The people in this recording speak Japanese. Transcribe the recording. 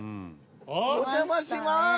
お邪魔します